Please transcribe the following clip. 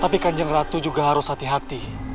tapi kanjeng ratu juga harus hati hati